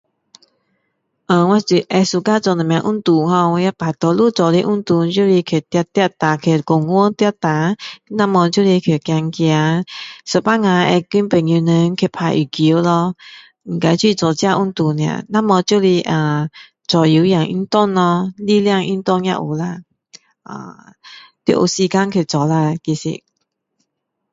我会喜欢做什么运动 hor 我比较常做的运动就是去跑跑啦去公园跑下不然就是去公园走走有时候会跟朋友们去打羽球咯应该就只是做这些运动而已不然就是做有氧运动咯力量运动也是有啦